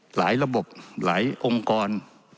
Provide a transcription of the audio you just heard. หลายระบบหลายองค์กร